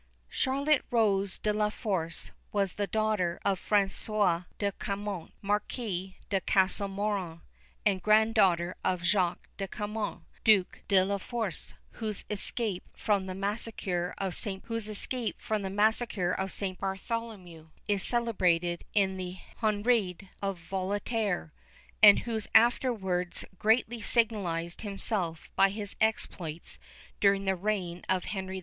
CHARLOTTE ROSE DE LA FORCE was the daughter of François de Caumont, Marquis de Castel Moron, and granddaughter of Jacques de Caumont, Duc de la Force, whose escape from the massacre of St. Bartholomew is celebrated in the Henriade of Voltaire, and who afterwards greatly signalized himself by his exploits during the reign of Henry IV.